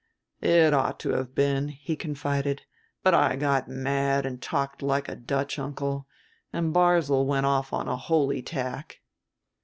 "It ought to have been," he confided, "but I got mad and talked like a Dutch uncle, and Barzil went off on a holy tack."